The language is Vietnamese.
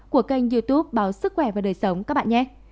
của kênh youtube báo sức khỏe và đời sống các bạn nhé